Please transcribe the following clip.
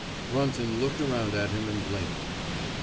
Brunton looked around at him and blinked.